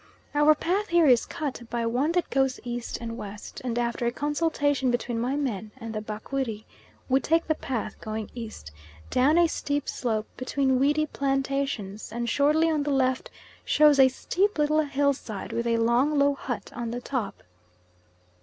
Our path here is cut by one that goes east and west, and after a consultation between my men and the Bakwiri, we take the path going east, down a steep slope between weedy plantations, and shortly on the left shows a steep little hill side with a long low hut on the top.